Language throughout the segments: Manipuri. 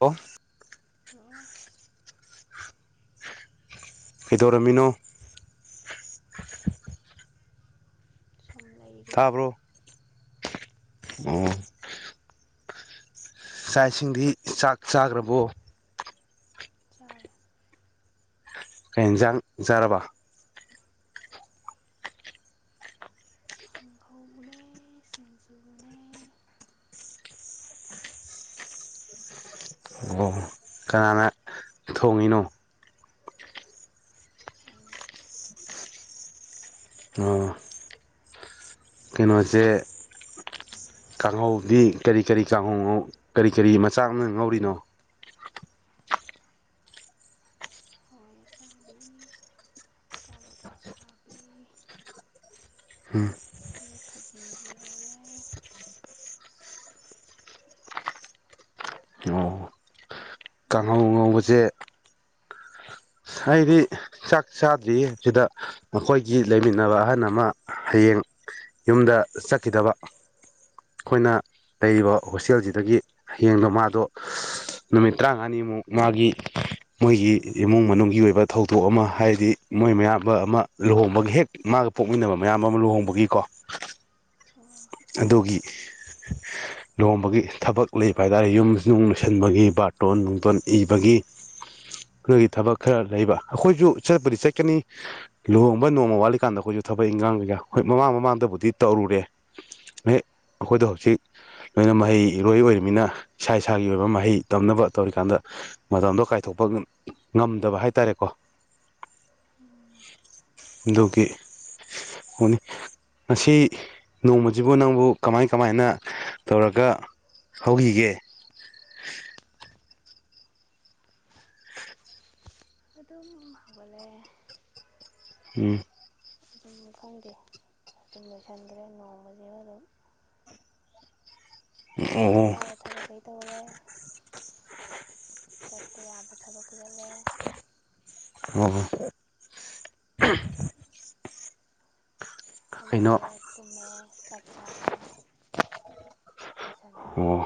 ꯍꯦꯜꯂꯣ ꯑꯣ ꯐꯤꯗꯣꯔꯥꯃꯤꯅꯣ ꯁꯨꯝ ꯂꯩꯔꯤ ꯇꯥꯕ꯭ꯔꯣ ꯇꯥꯏ ꯑꯣ ꯇꯥꯏ ꯆꯥꯛ ꯏꯁꯤꯡꯗꯤ ꯆꯥꯛ ꯆꯥꯈ꯭ꯔꯕꯣ ꯆꯔ ꯀ ꯌꯦꯟꯖꯥꯡ ꯆꯥꯔꯕ ꯈꯪꯈꯥꯎꯕꯅꯦ ꯁꯤꯡꯖꯨꯕꯅꯦ ꯑꯣ ꯀꯅꯥꯅ ꯊꯣꯡꯉꯤꯅꯣ ꯑꯩꯅ ꯑꯣ ꯀꯩꯅꯣꯁꯦ ꯀꯥꯡꯍꯧꯗꯤ ꯀꯔꯤ ꯀꯔꯤ ꯀꯥꯡꯍꯧ ꯀꯔꯤ ꯀꯔꯤ ꯃꯆꯥꯛ ꯑꯃ ꯉ ꯂꯧꯔꯤꯅꯣ ꯍ ꯆꯕꯤ ꯀꯂꯗꯥ ꯈꯕꯤ ꯎꯝ ꯑꯗꯨꯒ ꯈꯖꯤꯡꯁꯨ ꯌꯥꯎꯔꯦ ꯅꯪ ꯆ ꯅꯣꯡꯕꯁꯦ ꯑꯩꯗꯤ ꯆꯥꯛ ꯆꯥꯗ꯭ꯔꯤ ꯁꯤꯗ ꯃꯈꯣꯏꯒꯤ ꯂꯩꯃꯤꯟꯅꯕ ꯑꯍꯟ ꯑꯃ ꯍꯌꯦꯡ ꯌꯨꯝꯗ ꯆꯠꯈꯤꯗꯕ ꯑꯩꯈꯣꯏꯅ ꯂꯩꯔꯤꯕ ꯍꯣꯁꯇꯦꯜꯁꯤꯗꯒꯤ ꯍꯌꯦꯡꯗꯣ ꯃꯥꯗꯣ ꯅꯨꯃꯤꯠ ꯇꯔꯥꯉꯥꯅꯤꯃꯨꯛ ꯃꯥꯒꯤ ꯃꯣꯏꯒꯤ ꯏꯃꯨꯡ ꯃꯅꯨꯡ ꯒꯤ ꯑꯣꯏꯕ ꯊꯧꯗꯣꯛ ꯑꯃ ꯍꯥꯏꯗꯤ ꯃꯣꯏ ꯃꯌꯥꯝꯕ ꯑꯃ ꯂꯨꯍꯣꯡꯕꯒꯤ ꯍꯦꯛ ꯃꯥꯒ ꯄꯣꯛꯃꯤꯟꯅꯕ ꯃꯌꯥꯝꯕ ꯑꯃ ꯂꯨꯍꯣꯡꯕꯒꯤꯀꯣ ꯑꯣ ꯑꯗꯨꯒꯤ ꯂꯨꯍꯣꯡꯕꯒꯤ ꯊꯕꯛ ꯂꯩꯕ ꯍꯥꯏꯇꯥꯥꯔꯦ ꯌꯨꯝ ꯅꯨꯡ ꯂꯣꯏꯁꯟꯕꯒꯤ ꯕꯥꯔꯇꯣꯟ ꯅꯨꯡꯇꯣꯟ ꯏꯕꯒꯤ ꯑꯗꯨꯒꯤ ꯊꯕꯛ ꯈꯔ ꯂꯩꯕ ꯑꯩꯈꯣꯏꯁꯨ ꯆꯠꯄꯗꯤ ꯆꯠꯀꯅꯤ ꯂꯨꯍꯣꯡꯕ ꯅꯣꯡꯃ ꯋꯥꯠꯂꯤꯀꯥꯟꯗ ꯑꯩꯈꯣꯏꯁꯨ ꯊꯕꯛ ꯏꯟꯈꯥꯡ ꯀꯩꯀꯥ ꯍꯣꯏ ꯃꯃꯥꯡ ꯃꯃꯥꯡꯗꯕꯨꯗꯤ ꯇꯧꯔꯨꯔꯦ ꯑꯩꯈꯣꯏꯗꯣ ꯍꯧꯖꯤꯛ ꯂꯣꯏꯅ ꯃꯍꯩ ꯏꯔꯣꯏ ꯑꯣꯏꯔꯤꯕꯃꯤꯅ ꯏꯁꯥ ꯏꯁꯥꯒꯤ ꯑꯣꯏꯕ ꯃꯍꯩ ꯇꯝꯅꯕ ꯇꯧꯔꯤꯀꯥꯟꯗ ꯃꯇꯝꯗꯣ ꯀꯥꯏꯊꯣꯛꯄ ꯉꯝꯗꯕ ꯍꯥꯏ ꯇꯥꯔꯦꯀꯣ ꯑꯗꯨꯒꯤꯣꯅꯤ ꯉꯁꯤ ꯅꯣꯡꯃꯁꯤꯕꯨ ꯅꯪꯕꯨ ꯀꯃꯥꯏ ꯀꯃꯥꯏꯅ ꯇꯧꯔꯒ ꯍꯧꯈꯤꯒꯦ ꯑꯗꯨꯗꯝꯕꯂꯦ ꯎꯝ ꯑꯗꯨꯝ ꯈꯪꯗꯦ ꯑꯗꯨꯝ ꯂꯣꯏꯁꯤꯟꯈ꯭ꯔꯦ ꯅꯣꯡꯃꯁ ꯑꯗꯨꯝ ꯇꯧꯕ ꯑꯣ ꯌꯥꯕ ꯊꯕꯛ ꯀꯩ ꯇꯧꯔꯦ ꯆꯠꯄ ꯌꯥꯕ ꯊꯕꯛ ꯀꯗꯂꯦ ꯑꯣ ꯀꯩꯅꯣ ꯍꯜꯂꯛꯦ ꯇꯃꯦꯃꯦ ꯆꯆꯥꯆꯥꯦ ꯑꯣꯏꯣꯏꯁꯟꯦ ꯑꯣ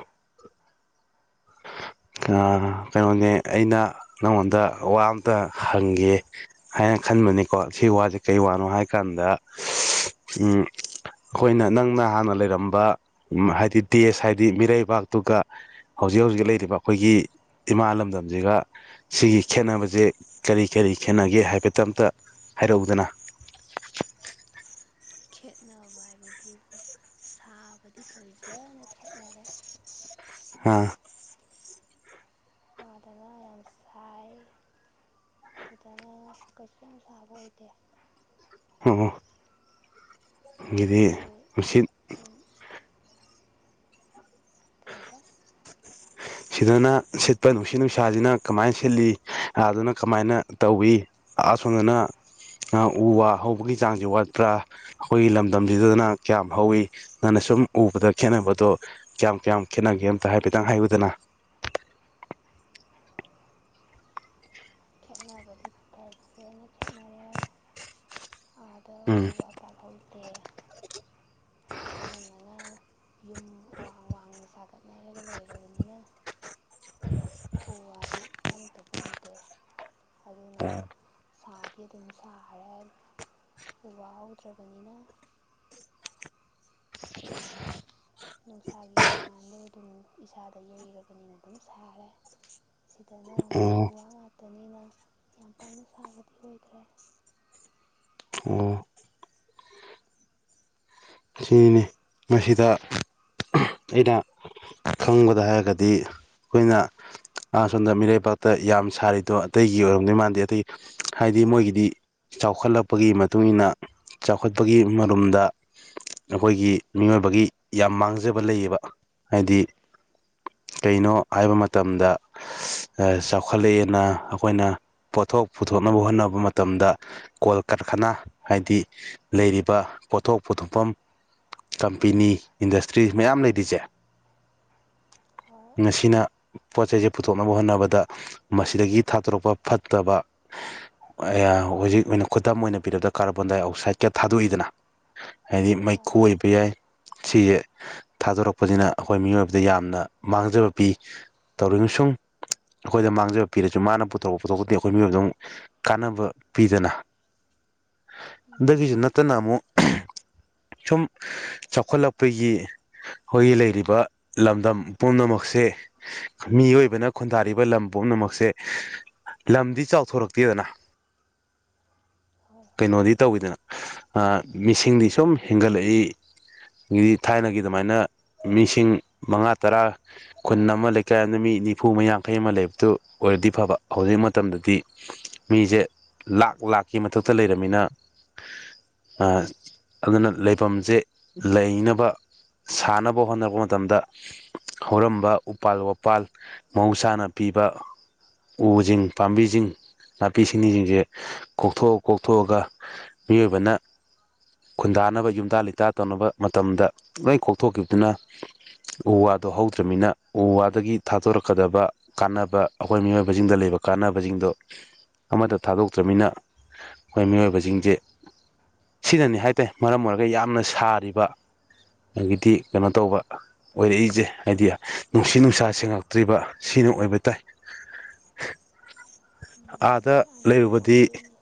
ꯀꯩꯅꯣꯅꯦ ꯑꯩꯅ ꯅꯪꯉꯣꯟꯗ ꯋꯥ ꯑꯝꯇ ꯍꯪꯒꯦ ꯍꯥꯏꯅ ꯈꯟꯕꯅꯤꯀꯣ ꯁꯤ ꯋꯥꯁꯦ ꯀꯔꯤ ꯋꯥꯅꯣ ꯍꯥꯏꯀꯥꯟꯗ ꯑꯩꯈꯣꯏꯅ ꯅꯪꯅ ꯍꯥꯟꯅ ꯂꯩꯔꯝꯕ ꯍꯥꯏꯗꯤ ꯗꯦꯁ ꯍꯥꯏꯗꯤ ꯃꯤꯔꯩꯕꯥꯛꯇꯨꯒ ꯍꯧꯖꯤꯛ ꯍꯧꯖꯤꯛ ꯂꯩꯔꯤꯕ ꯑꯩꯈꯣꯏꯒꯤ ꯏꯃꯥ ꯂꯝꯗꯝꯁꯤꯒ ꯁꯤꯒꯤ ꯈꯦꯅꯕꯁꯦ ꯀꯔꯤ ꯀꯔꯤ ꯈꯦꯠꯅꯒꯦ ꯍꯥꯏꯐꯦꯠꯇ ꯑꯇ ꯍꯥꯏꯔꯛꯎꯗꯅ ꯈꯦꯠꯅꯕ ꯍꯥꯏꯕꯕꯨꯕꯨ ꯁꯥꯕꯗꯤ ꯐꯖꯅ ꯈꯦꯠꯅꯔꯦ ꯍꯥꯥ ꯑꯥꯗꯅ ꯌꯥꯝ ꯁꯥꯏ ꯑꯗꯨꯗꯅ ꯀꯩꯁꯨ ꯌꯥꯝ ꯁꯥꯕ ꯑꯣꯏꯗꯦ ꯑꯣ ꯑꯗꯒꯤꯗꯤ ꯑꯗꯨ ꯅꯨꯡꯁꯤꯠ ꯁꯨꯝ ꯀꯩꯗ ꯁꯤꯗꯅ ꯁꯤꯠꯄ ꯅꯨꯡꯁꯤꯠ ꯅꯨꯡꯁꯥꯁꯤꯅ ꯀꯃꯥꯏꯅ ꯁꯤꯠꯂꯤ ꯑꯥꯗꯨꯅ ꯀꯃꯥꯏꯅ ꯇꯧꯏ ꯑꯁꯣꯝꯗꯅ ꯎ ꯋꯥ ꯍꯧꯕꯒꯤ ꯆꯥꯡꯁꯤ ꯋꯥꯠꯄ꯭ꯔꯥ ꯑꯩꯈꯣꯏꯒꯤ ꯂꯝꯗꯝꯁꯤꯗꯗꯅ ꯀꯌꯥꯝ ꯍꯧꯋꯤ ꯅꯪꯅ ꯁꯨꯝ ꯎꯕꯗ ꯈꯦꯠꯅꯕꯗꯣ ꯀꯌꯥꯝ ꯀꯌꯥꯝ ꯈꯦꯠꯅꯒꯦ ꯑꯃꯝꯇ ꯍꯥꯏꯐꯦꯠꯇꯪ ꯍꯥꯏꯕꯗꯅ ꯈꯦꯅꯕꯗꯤ ꯇꯁꯦ ꯈꯦꯅꯔ ꯑꯗ ꯎꯝ ꯎ ꯄ ꯐꯠꯇꯦ ꯍꯥꯏꯗꯤ ꯑꯅꯃꯅ ꯌꯨꯝ ꯍꯍꯡ ꯋꯥꯍꯥꯡꯅ ꯁꯥꯒꯠꯅꯔꯒ ꯂꯩꯔꯕꯅꯤꯅ ꯎ ꯋꯥꯗꯤ ꯑꯝꯇ ꯎꯗꯦ ꯑꯗꯨꯅ ꯁꯥꯗꯤ ꯑꯗꯨꯝ ꯁꯥꯈꯔꯦ ꯎ ꯋꯥ ꯍꯧꯗ꯭ꯔꯕꯅꯤꯅ ꯅꯨꯡꯁꯥꯒꯤ ꯃꯉꯥꯜꯗꯣ ꯑꯗꯨꯝ ꯏꯁꯥꯗ ꯌꯩꯔꯕꯅꯤꯅ ꯑꯗꯨꯝ ꯁꯥꯔꯦ ꯁꯤꯗꯅ ꯑꯃꯨꯛ ꯎ ꯑꯣ ꯋꯥ ꯉꯇꯅꯤꯅ ꯌꯥꯝ ꯄꯥꯅ ꯁꯥꯕꯗꯤ ꯑꯣꯏꯈ꯭ꯔꯦ ꯑꯣ ꯁꯤꯅꯤꯅꯦ ꯃꯁꯤꯗ ꯑꯩꯅ ꯈꯪꯕꯗ ꯍꯥꯏꯔꯒꯗꯤ ꯑꯩꯈꯣꯏꯅ ꯁꯣꯝꯗ ꯃꯤꯔꯩꯕꯥꯛꯇ ꯌꯥꯝ ꯁꯥꯔꯤꯗꯣ ꯑꯇꯩꯒꯤ ꯑꯣꯏꯔꯝꯗꯣꯏ ꯃꯥꯟꯗꯦ ꯑꯇꯩ ꯍꯥꯏꯗꯤ ꯃꯣꯏꯒꯤꯗꯤ ꯆꯥꯎꯈꯠꯂꯛꯄꯒꯤ ꯃꯇꯨꯡ ꯃꯇꯨꯡꯏꯟꯅ ꯆꯥꯎꯈꯠꯄꯒꯤ ꯃꯔꯨꯝꯗ ꯑꯩꯈꯣꯏꯒꯤ ꯃꯤꯑꯣꯏꯕꯒꯤ ꯌꯥꯝ ꯃꯥꯡꯖꯕ ꯂꯩꯌꯦꯕ ꯍꯥꯏꯗꯤ ꯀꯩꯅꯣ ꯍꯥꯏꯕ ꯃꯇꯝꯗ ꯆꯥꯎꯈꯠꯂꯛꯑꯦꯅ ꯑꯩꯈꯣꯏꯅ ꯄꯣꯠꯊꯣꯛ ꯄꯨꯊꯣꯛꯅꯕ ꯍꯣꯠꯅꯕ ꯃꯇꯝꯗ ꯀꯣꯜ ꯀꯔꯈꯅ ꯍꯥꯏꯗꯤ ꯂꯩꯔꯤꯕ ꯄꯣꯠꯊꯣꯛ ꯄꯨꯊꯣꯛꯐꯝ ꯀꯝꯄꯦꯅꯤ ꯏꯟꯗꯁꯇ꯭ꯔꯤ ꯃꯌꯥꯝ ꯂꯩꯔꯤꯁꯦ ꯍꯣꯏ ꯃꯁꯤꯅ ꯄꯣꯠ ꯆꯩꯁꯦ ꯄꯨꯊꯣꯛꯅꯕ ꯍꯣꯠꯅꯕꯗ ꯃꯁꯤꯗꯒꯤ ꯊꯥꯗꯣꯔꯛꯄ ꯐꯠꯇꯕ ꯍꯧꯖꯤꯛ ꯑꯣꯏꯅ ꯈꯨꯗꯝ ꯑꯣꯏꯅ ꯄꯤꯔꯔꯕꯗ ꯀꯥꯔꯕꯣꯟꯗꯥꯏꯑꯛꯁꯥꯏꯠꯀ ꯊꯥꯗꯣꯛꯏꯗꯅ ꯍꯥꯏꯗꯤ ꯍꯣꯏ ꯃꯩꯈꯣꯏ ꯁꯤꯁꯦ ꯊꯥꯗꯣꯔꯛꯄꯁꯤꯅ ꯑꯩꯈꯣꯏ ꯃꯤꯑꯣꯏꯕꯗ ꯌꯥꯝꯅ ꯃꯥꯡꯖꯕ ꯄꯤ ꯇꯧꯔꯤ ꯑꯩꯈꯣꯏꯗ ꯃꯥꯡꯖꯕ ꯄꯤꯔꯁꯨ ꯃꯥꯅ ꯄꯨꯊꯣꯔꯛꯄ ꯄꯨꯣꯊꯣꯛꯄꯗꯤ ꯑꯩꯈꯣꯏ ꯃꯤꯑꯣꯏꯕꯗ ꯑꯃꯨꯛ ꯀꯥꯟꯅꯕ ꯄꯤꯗꯅ ꯗꯒꯖ ꯎꯝ ꯅꯠꯇꯅꯥꯃꯨ ꯁꯨꯝ ꯆꯥꯎꯈꯠꯂꯛꯄꯒꯤ ꯑꯩꯈꯣꯏꯒꯤ ꯂꯩꯔꯤꯕ ꯂꯝꯗꯝ ꯄꯨꯝꯅꯃꯛꯁꯦ ꯃꯤꯑꯣꯏꯕꯅ ꯈꯨꯟꯗꯥꯔꯤꯕ ꯂꯝ ꯄꯨꯝꯅꯃꯛꯁꯦ ꯂꯝꯗꯤ ꯆꯥꯎꯊꯣꯔꯛꯇꯦꯗꯅ ꯍꯣꯏ ꯍꯣꯏ ꯀꯩꯅꯣꯗꯤ ꯇꯧꯋꯤꯗꯅ ꯃꯤꯁꯤꯡꯗꯤ ꯁꯨꯝ ꯍꯦꯟꯒꯠꯂꯛꯏ ꯊꯥꯏꯅꯒꯤ ꯑꯗꯨꯃꯥꯏꯅ ꯃꯤꯁꯤꯡ ꯃꯉꯥ ꯇꯔꯥ ꯈꯨꯨꯟ ꯑꯃ ꯂꯩꯀꯥꯏꯗ ꯃꯤ ꯅꯤꯐꯨꯃ ꯌꯥꯡꯈꯩ ꯑꯃ ꯂꯩꯕꯗꯨ ꯑꯣꯏꯔꯗꯤ ꯐꯕ ꯍꯧꯖꯤꯛ ꯃꯇꯝꯗꯗꯤ ꯃꯤꯁꯦ ꯂꯥꯛ ꯂꯥꯛꯀꯤ ꯃꯊꯛꯇ ꯂꯩꯔꯕꯝꯃꯤꯅ ꯑꯗꯨꯅ ꯂꯩꯐꯝꯁꯦ ꯂꯩꯅꯕ ꯁꯥꯟꯅꯕ ꯍꯣꯠꯅꯔꯛꯄ ꯃꯇꯝꯗ ꯍꯧꯔꯝꯕ ꯎꯄꯥꯜ ꯋꯥꯄꯥꯜ ꯃꯍꯧꯁꯥꯅ ꯄꯤꯕ ꯎꯁꯤꯡ ꯄꯥꯝꯕꯤꯁꯤꯡ ꯅꯥꯄꯤ ꯁꯤꯡꯅꯤꯁꯤꯡꯁꯦ ꯀꯣꯛꯊꯣꯛꯑ ꯀꯣꯛꯊꯣꯛꯑꯒ ꯃꯤꯑꯣꯏꯕꯅ ꯈꯨꯟꯗꯥꯅꯕ ꯌꯨꯝꯇꯥ ꯂꯩꯇꯥ ꯇꯧꯅꯕ ꯃꯇꯝꯗ ꯂꯣꯏ ꯀꯣꯛꯊꯣꯛꯈꯤꯕꯗꯨꯅ ꯎ ꯋꯥꯗꯣ ꯍꯧꯗ꯭ꯔꯃꯤꯅ ꯎ ꯋꯥꯗꯒꯤ ꯊꯥꯗꯣꯔꯛꯀꯗꯕ ꯀꯥꯟꯅꯕ ꯑꯩꯈꯣꯏ ꯃꯤꯑꯣꯏꯕꯁꯤꯡꯗ ꯂꯩꯕ ꯀꯥꯟꯅꯕꯁꯤꯡꯗꯣ ꯑꯃꯠꯇ ꯊꯥꯗꯣꯛꯇ꯭ꯔꯃꯤꯅ ꯑꯩꯈꯣꯏ ꯃꯤꯑꯣꯏꯕꯁꯤꯡꯁꯦ ꯁꯤꯅꯅꯤ ꯍꯥꯏ ꯇꯦ ꯃꯔꯝ ꯑꯣꯏꯔꯒ ꯌꯥꯝꯅ ꯊꯔꯤꯕ ꯑꯗꯒꯤꯗꯤ ꯀꯩꯅꯣ ꯇꯧꯕ ꯑꯣꯏꯔꯛꯏꯁꯦ ꯍꯥꯏꯗꯤ ꯅꯨꯡꯁꯤ ꯅꯨꯡꯁꯥ ꯁꯦꯡꯉꯛꯇ꯭ꯔꯤꯕ ꯁꯤꯅ ꯑꯣꯏꯕ ꯇꯥꯏ ꯑꯥꯗ ꯑꯗꯨꯅ ꯂꯩꯔꯨꯕꯗꯤ ꯑꯣꯏꯗꯣꯏꯅꯦ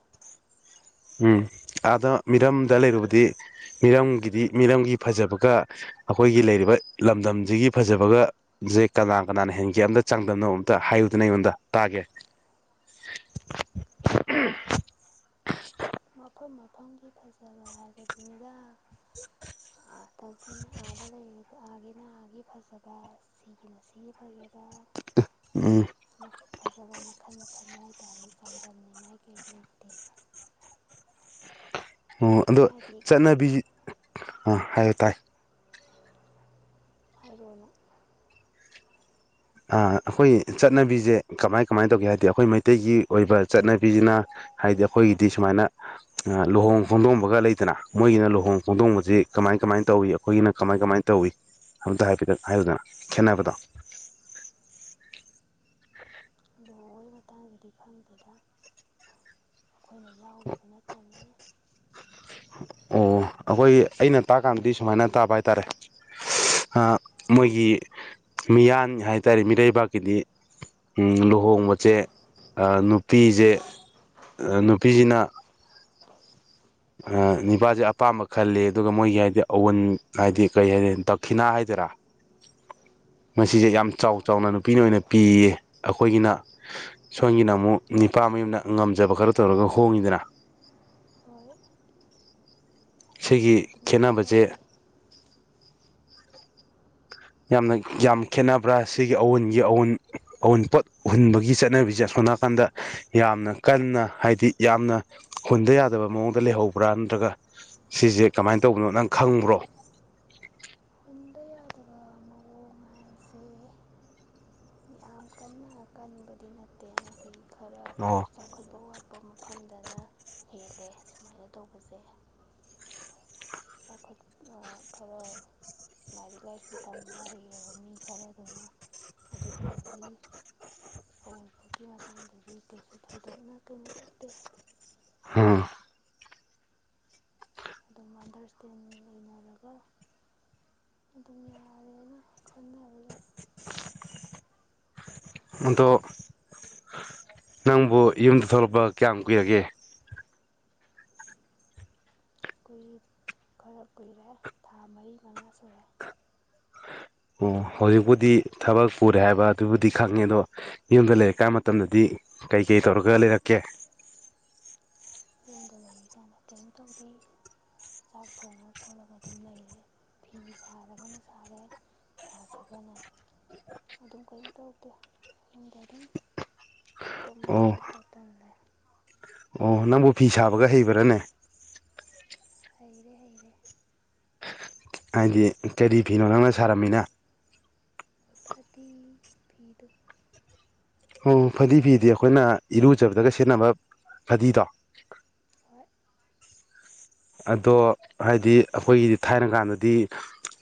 ꯎꯝ ꯑꯗ ꯃꯤꯔꯝꯗ ꯂꯩꯔꯨꯕꯗꯤ ꯃꯤꯔꯝꯒꯤ ꯗꯤ ꯃꯤꯔꯝꯒꯤ ꯐꯖꯕꯒ ꯑꯩꯈꯣꯏꯒꯤ ꯂꯩꯔꯤꯕ ꯂꯝꯗꯝꯁꯤꯒꯤ ꯐꯖꯕꯒꯁꯦ ꯀꯅꯥ ꯀꯅꯥꯅ ꯍꯦꯟꯒꯦ ꯑꯝꯇ ꯆꯥꯡꯗꯝꯅꯕꯣ ꯑꯝꯇ ꯍꯥꯏꯌꯨꯗꯅ ꯑꯩꯉꯣꯟꯗ ꯇꯥꯒꯦ ꯃꯐꯝ ꯃꯐꯝꯒꯤ ꯐꯖꯕ ꯍꯥꯏꯕꯗꯨꯅꯤꯔ ꯑ ꯑꯗ ꯂꯩ ꯑꯥꯒꯤꯅ ꯑꯥꯒꯤ ꯐꯖꯕ ꯁꯤꯒꯤꯅ ꯁꯤꯒꯤ ꯐꯖꯕ ꯎꯝ ꯐꯖꯕ ꯃꯈꯜ ꯃꯈꯜꯅꯤ ꯍꯥꯏ ꯔꯤ ꯆꯥꯡꯗꯝꯅꯤꯡꯉꯥꯏ ꯀꯅꯤꯗꯤ ꯑꯣ ꯑꯗꯣ ꯍꯥꯏꯗꯤ ꯆꯠꯅꯕꯤ ꯑꯥ ꯍꯥꯏꯌꯨ ꯇꯥꯏ ꯑꯔꯅ ꯑꯩꯈꯣꯏ ꯆꯠꯅꯕꯤꯁꯦ ꯀꯃꯥꯏ ꯀꯃꯥꯏꯅ ꯇꯧꯒꯦ ꯍꯥꯏꯕꯗꯤ ꯑꯩꯈꯣꯏ ꯃꯩꯇꯩꯒꯤ ꯑꯣꯏꯕ ꯆꯠꯅꯕꯤꯁꯤꯅ ꯍꯥꯏꯗꯤ ꯑꯩꯈꯣꯏꯒꯤꯗꯤ ꯁꯨꯃꯥꯏꯅ ꯂꯨꯍꯣꯡ ꯈꯣꯡꯗꯣꯡꯕꯒ ꯂꯩꯗꯅ ꯃꯣꯏꯒꯤꯅ ꯂꯨꯍꯣꯡ ꯈꯣꯡꯗꯣꯡꯕꯁꯤ ꯀꯃꯥꯏ ꯀꯃꯥꯏꯅ ꯇꯧꯏꯤ ꯑꯩꯈꯣꯏꯒꯤꯅ ꯀꯃꯥꯏ ꯀꯃꯥꯏꯅ ꯇꯧꯏ ꯑꯝꯇ ꯍꯥꯏꯐꯦꯠꯇꯪ ꯍꯥꯏꯌꯗꯅ ꯈꯦꯠꯅꯕꯗꯣ [unintelligible] ꯂꯨꯍꯣꯡꯕꯒꯤ ꯃꯇꯥꯡꯗꯗꯤ ꯈꯪꯗꯦꯗ ꯑꯩꯈꯣꯏꯅ ꯌꯥꯎꯕꯗꯨ ꯅꯠꯇꯕꯅꯤꯅ ꯑꯣ ꯑꯩꯈꯣꯏ ꯑꯩꯅ ꯇꯥꯛꯀꯥꯟꯗꯗꯤ ꯁꯨꯃꯥꯏꯅ ꯇꯥꯕ ꯍꯥꯏꯇꯥꯔꯦ ꯃꯣꯏꯒꯤ ꯃꯤꯌꯥꯟ ꯍꯥꯏ ꯇꯔꯦ ꯃꯤꯔꯩꯕꯥꯛꯀꯤꯗꯤ ꯂꯨꯍꯣꯡꯕꯁꯦ ꯅꯨꯄꯤꯁꯦ ꯅꯨꯄꯤꯁꯤꯅ ꯅꯤꯄꯥꯁꯦ ꯑꯄꯥꯝꯕ ꯈꯜꯂꯤꯦ ꯑꯗꯨꯒ ꯃꯣꯏꯒꯤ ꯍꯥꯏꯗꯤ ꯑꯋꯟ ꯍꯥꯏꯗꯤ ꯀꯔꯤ ꯍꯥꯏ ꯗꯛꯈꯤꯅꯥ ꯍꯥꯏꯗꯔꯥ ꯃꯁꯤꯁꯦ ꯌꯥꯝ ꯆꯥꯎ ꯆꯥꯎꯅ ꯅꯨꯄꯤꯅ ꯑꯣꯏꯅ ꯄꯤꯌꯦ ꯑꯩꯈꯣꯏꯒꯤꯅ ꯁꯣꯝꯒꯤꯅ ꯑꯃꯨꯛ ꯅꯤꯄꯥ ꯃꯌꯨꯝꯅ ꯉꯝꯖꯕ ꯈꯔ ꯇꯧꯔꯒ ꯍꯣꯡꯉꯤꯗꯅ ꯍꯣꯏ ꯁꯤꯒꯤ ꯑꯗꯨꯃꯥꯏꯅ ꯈꯦꯅꯕꯁꯦ ꯇꯧꯋꯤ ꯌꯥꯝꯅ ꯌꯥꯝ ꯈꯦꯅꯕ꯭ꯔꯥ ꯁꯤꯒꯤ ꯑꯋꯟꯒꯤ ꯑꯋꯟ ꯑꯋꯟꯄꯣꯠ ꯎꯨꯟꯕꯒꯤ ꯆꯠꯅꯕꯤꯁꯦ ꯑꯁꯣꯝ ꯅꯥꯀꯥꯟꯗ ꯌꯥꯝꯅ ꯀꯟꯅ ꯍꯥꯏꯗꯤ ꯌꯥꯝꯅ ꯍꯨꯟꯗ ꯌꯥꯗꯕ ꯃꯑꯣꯡꯗ ꯂꯩꯍꯧꯕ꯭ꯔꯥ ꯅꯠꯇ꯭ꯔꯒ ꯁꯤꯁꯦ ꯀꯃꯥꯏꯅ ꯇꯧꯕꯅꯣ ꯅꯪ ꯈꯪꯕ꯭ꯔꯣ ꯍꯟꯗ ꯌꯥꯗꯕ ꯃꯑꯣꯡ ꯍꯥꯏꯁꯦ ꯃꯤ ꯌꯥꯝ ꯀꯟꯅꯀꯥꯟ ꯅꯨꯕꯗꯤ ꯅꯠꯇꯦ ꯍꯥꯏꯗꯤ ꯈꯔ ꯑꯣ ꯆꯥꯎꯈꯠꯄꯕ ꯋꯥꯠꯄ ꯃꯐꯝꯗꯅ ꯍꯦꯜꯂꯦ ꯁꯨꯃꯥꯏꯅ ꯇꯧꯕꯁꯦ ꯆꯥꯎꯈꯠ ꯈꯔ ꯂꯥꯏꯔꯤꯛ ꯂꯥꯏꯁꯨ ꯇꯝꯕ ꯍꯩꯔꯕ ꯃꯤ ꯈꯔꯗꯨꯅ ꯑꯗꯨꯒꯨꯝꯕꯒꯤ ꯍꯧꯕꯒꯤ ꯃꯇꯥꯡꯗꯗꯤ ꯀꯩꯁꯨ ꯊꯧꯗꯣꯛꯅ ꯀꯩꯅꯣ ꯊꯣꯛꯇꯦ ꯍꯥ ꯑꯗꯨꯝ ꯑꯟꯗꯔꯁꯇꯦꯟꯗꯤꯡ ꯂꯩꯅꯔꯒ ꯑꯗꯨꯝ ꯌꯥꯔꯦꯅ ꯈꯕ ꯂꯩ ꯑꯗꯣ ꯅꯪꯕꯨ ꯌꯨꯝꯗ ꯊꯣꯛꯂꯛꯄ ꯀꯌꯥꯝ ꯀꯨꯏꯔꯒꯦ ꯀꯈꯨꯏ ꯈꯔ ꯀꯨꯏꯔꯦ ꯊꯥ ꯃꯔꯤ ꯃꯉꯥ ꯁꯨꯔꯦ ꯑꯣ ꯍꯧꯖꯤꯛꯄꯨꯗꯤ ꯊꯕꯛ ꯄꯨꯔꯦ ꯍꯥꯏꯕ ꯑꯗꯨꯕꯨꯗꯤ ꯈꯪꯉꯦ ꯑꯗꯣ ꯌꯨꯝꯗ ꯂꯩꯔꯛꯀꯥꯟ ꯃꯇꯝꯗꯗꯤ ꯀꯩꯀꯩ ꯇꯧꯔꯒ ꯂꯩꯔꯛꯀꯦ ꯌꯨꯝꯗ ꯂꯩꯔꯤꯀꯥꯟꯗ ꯀꯔꯤꯝ ꯇꯧꯗꯦ ꯆꯥꯛ ꯊꯣꯡꯉ ꯈꯣꯠꯂꯒ ꯑꯗꯨꯝ ꯂꯩꯔꯦ ꯐꯤ ꯁꯥꯔꯒꯅ ꯁꯥꯔꯦ ꯁꯥꯗ꯭ꯔꯒꯅ ꯑꯗꯨꯝ ꯀꯔꯤꯝ ꯇꯧꯗꯦ ꯌꯨꯝꯗ ꯑꯗꯨꯝ ꯑꯣ ꯇꯣꯝꯗꯅ ꯐ ꯃꯇꯝꯝ ꯂꯩꯦ ꯑꯣ ꯅꯪꯕꯨ ꯐꯤ ꯁꯥꯕꯒ ꯍꯩꯕ꯭ꯔꯥꯅꯦ ꯍꯩꯔꯦ ꯍꯩꯔꯦ ꯍꯥꯏꯗꯤ ꯀꯔꯤ ꯐꯤꯅꯣ ꯅꯪꯅ ꯁꯥꯔꯝꯃꯤꯅ ꯐꯗꯤ ꯐꯤꯗꯨꯣ ꯑꯣ ꯐꯗꯤ ꯐꯤꯗꯤ ꯑꯩꯈꯣꯏꯅ ꯏꯔꯨꯖꯕꯗꯒ ꯁꯦꯠꯅꯕ ꯐꯗꯤꯗꯣ ꯍꯣꯏ ꯑꯗꯣ ꯍꯥꯏꯗꯤ ꯑꯩꯈꯣꯏꯒꯤꯗꯤ ꯊꯥꯏꯅ ꯀꯥꯟꯗꯗꯤ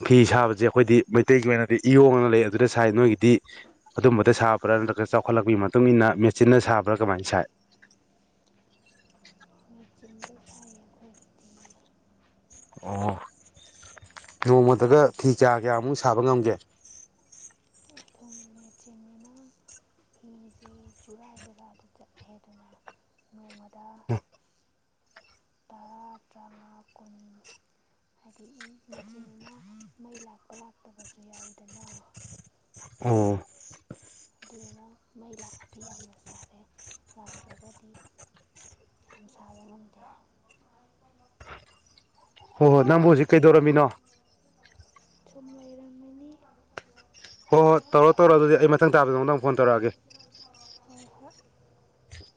ꯐꯤ ꯁꯥꯕꯁꯦ ꯑꯩꯈꯣꯏꯗꯤ ꯃꯩꯇꯩꯒꯤ ꯑꯣꯏꯅꯗꯤ ꯏꯌꯣꯡꯉꯅ ꯂꯩ ꯑꯗꯨꯗ ꯁꯥꯏ ꯅꯣꯏꯒꯤꯗꯤ ꯑꯗꯨꯝꯕꯗ ꯁꯥꯕ꯭ꯔꯥ ꯅꯠꯇ꯭ꯔꯒ ꯆꯥꯎꯈꯠꯂꯛꯄꯒꯤ ꯃꯇꯨꯡ ꯏ ꯃꯇꯨꯡꯏꯟꯅ ꯃꯦꯆꯤꯟꯅ ꯁꯥꯕ꯭ꯔꯥ ꯀꯃꯥꯏꯅ ꯁꯥꯏ ꯃꯦꯆꯤꯟꯗ ꯁꯥꯏ ꯑꯩꯈꯣꯏꯒꯤꯗꯤ ꯑꯣ ꯅꯣꯡꯃꯗꯒ ꯐꯤ ꯆꯥ ꯀꯌꯥꯃꯨꯛ ꯁꯥꯕ ꯉꯝꯒꯦ ꯃꯦꯆꯤꯅꯤꯅ ꯐꯤꯁꯦ ꯆꯨꯔꯥ ꯆꯨꯔꯥꯗ ꯆꯠꯂꯦꯗꯅ ꯅꯣꯡꯃꯗ ꯑ ꯇꯔꯥ ꯇꯥꯃꯉꯥ ꯀꯨꯟ ꯍꯥꯏꯗꯤ ꯃꯆꯤꯅ ꯃꯩ ꯂꯥꯛꯄ ꯂꯥꯛꯇꯕꯁꯨ ꯌꯥꯎꯋꯤꯗꯅ ꯑꯣ ꯑꯗꯨꯗꯨꯅ ꯃꯩ ꯂꯥꯛꯑꯗꯤ ꯌꯥꯝꯅ ꯁꯥꯔꯦ ꯂꯥꯎꯇ꯭ꯔꯒꯗꯤ ꯌꯥꯝ ꯁꯥꯕ ꯉꯝꯗꯦ ꯍꯣꯏ ꯍꯣꯏ ꯅꯪꯕꯨ ꯍꯧꯖꯤꯛ ꯀꯩꯗꯧꯔꯝꯃꯤꯅꯣ ꯁꯨꯝ ꯂꯩꯔꯝꯃꯤꯅꯤ ꯍꯣꯏ ꯍꯣꯏ ꯇꯧꯔꯣ ꯇꯧꯔꯣ ꯑꯗꯨꯗꯤ ꯑꯩ ꯃꯊꯪ ꯇꯥꯕꯗ ꯑꯃꯨꯗꯪꯨꯛ ꯐꯣꯟ ꯇꯧꯔꯛꯑꯒꯦ ꯏꯍ